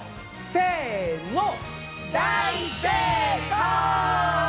せの！